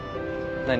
何？